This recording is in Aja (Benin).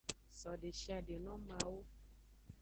So deshiade no mawu.